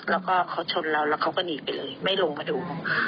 แล้วก็เขาชนเราแล้วเขาก็หนีไปเลยไม่ลงมาดู